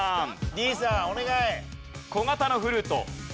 Ｄさんお願い！